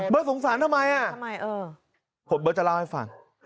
เบิร์ตสงสารทำไมอะผมเบิร์ตจะเล่าให้ฟัง